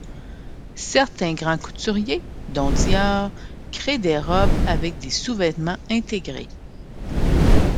Certains grands couturiers, dont Dior, créent des robes avec des sous vêtements intégrés.